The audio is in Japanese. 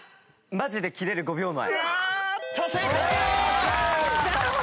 マジでキレる５秒前。